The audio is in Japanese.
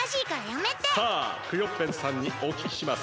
さあクヨッペンさんにおききします。